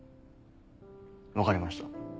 分かりました。